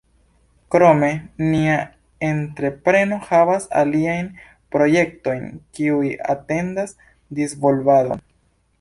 Krome, nia entrepreno havas aliajn projektojn kiuj atendas disvolvadon.